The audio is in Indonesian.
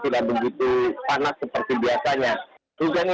selamnya juga sudah dilakukan jumroh